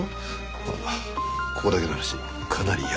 まあここだけの話かなり厄介です。